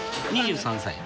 ２３歳。